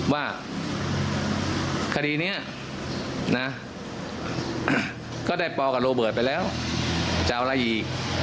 ว่าคดีนี้นะก็ได้ปอลกับโรเบิร์ตไปแล้วจะเอาอะไรอีก